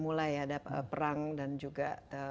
mulai ya ada perang dan juga